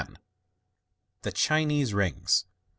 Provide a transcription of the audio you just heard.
The Chinese Rings.